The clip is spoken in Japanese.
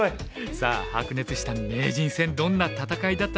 さあ白熱した名人戦どんな戦いだったのでしょうか。